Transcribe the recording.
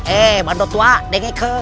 eh pandu tua dengarkan